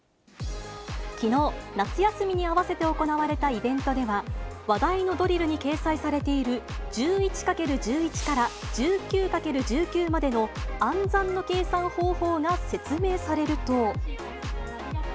きのう、夏休みに合わせて行われたイベントでは、話題のドリルに掲載されている、１１×１１から１９×１９までの暗算の計算方法が説明されると。